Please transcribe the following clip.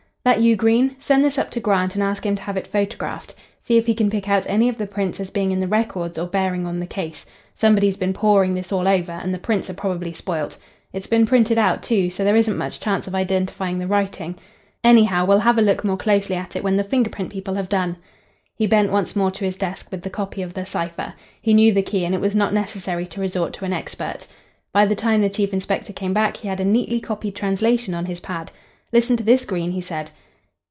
"That you, Green? Send this up to Grant, and ask him to have it photographed. See if he can pick out any of the prints as being in the records or bearing on the case. Somebody's been pawing this all over, and the prints are probably spoilt. It's been printed out, too, so there isn't much chance of identifying the writing. Anyhow, we'll have a look more closely at it when the finger print people have done." He bent once more to his desk with the copy of the cipher. He knew the key, and it was not necessary to resort to an expert. By the time the chief inspector came back he had a neatly copied translation on his pad. "Listen to this, Green," he said.